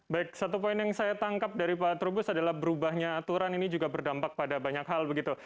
baik satu poin yang saya tangkap dari pak trubus adalah berubahnya aturan ini juga berdampak pada banyak hal begitu